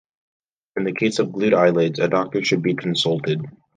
In the case of glued eyelids, a doctor should be consulted.